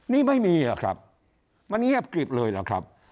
นี่ไม่มีครับมันเงียบกริบเลยล่ะครับ